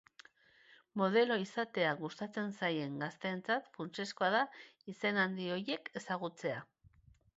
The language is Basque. Modelo izatea gustatzen zaien gazteentzat funtsezkoa da izen handi horiek ezagutzea.